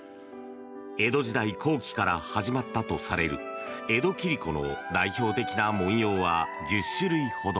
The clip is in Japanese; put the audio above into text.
江戸時代後期から始まったとされる江戸切子の代表的な文様は１０種類ほど。